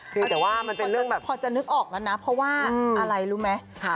คือแต่ว่ามันเป็นเรื่องแบบพอจะนึกออกแล้วนะเพราะว่าอะไรรู้ไหม